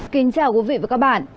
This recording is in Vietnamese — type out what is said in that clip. kính chào quý vị và các bạn